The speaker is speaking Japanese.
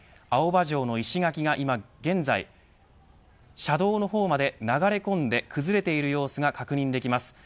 青葉城の石垣が今、現在車道の方まで流れ込んで崩れている様子が確認できます。